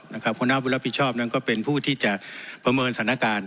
หัวหน้าผู้รับผิดชอบนั้นก็เป็นผู้ที่จะประเมินสถานการณ์